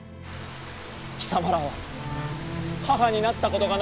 貴様らは母になったことがないのか？